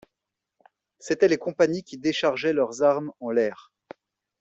C'étaient les compagnies qui déchargeaient leurs armes en l'air.